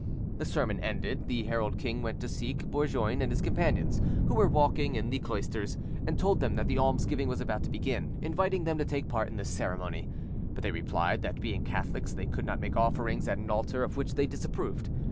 The sermon ended, the herald king went to seek Bourgoin and his companions, who were walking in the cloisters, and told them that the almsgiving was about to begin, inviting them to take part in this ceremony; but they replied that being Catholics they could not make offerings at an altar of which they disapproved.